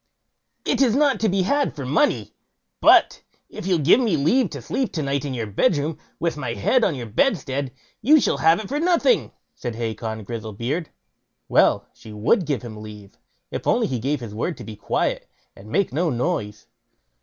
"It is not to be had for money; but if you'll give me leave to sleep to night in your bedroom, with my head on your bedstead, you shall have it for nothing", said Hacon Grizzlebeard. Well! she would give him leave, if he only gave his word to be quiet, and make no noise.